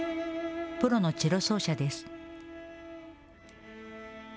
プロのチェロ奏者です。